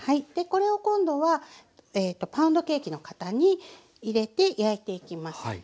これを今度はパウンドケーキの型に入れて焼いていきます。